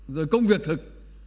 rồi công việc thực